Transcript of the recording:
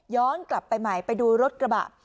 กลับไปใหม่ไปดูรถกระบะ